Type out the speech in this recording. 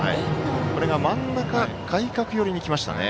これが真ん中外角寄りにきましたね。